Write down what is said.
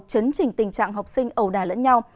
chấn trình tình trạng học sinh ẩu đà lẫn nhau